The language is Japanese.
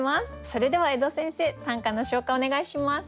それでは江戸先生短歌の紹介お願いします。